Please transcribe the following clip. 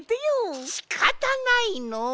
しかたないのう。